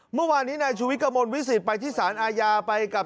เมื่อวานนี้นายชูวิทย์กระมวลวิสิตไปที่สารอาญาไปกับ